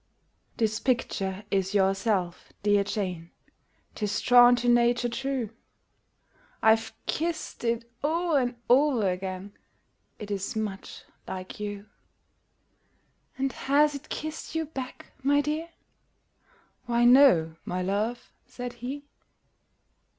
"This picture is yourself, dear Jane 'Tis drawn to nature true: I've kissed it o'er and o'er again, It is much like you." "And has it kissed you back, my dear?" "Why no my love," said he.